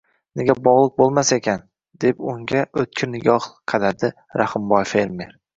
– Nega bog‘liq bo‘lmas ekan? – deb unga o‘tkir nigoh qadadi Rahimboy fermer